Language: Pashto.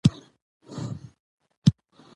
او د هغه وژنه ېې د شوروی اتحاد